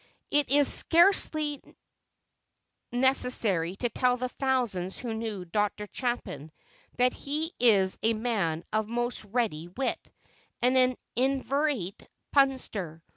'" It is scarcely necessary to tell the thousands who know Dr. Chapin that he is a man of most ready wit, and an inveterate punster.